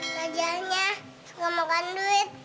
gajahnya gak makan duit